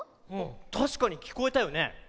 たしかにきこえたよね。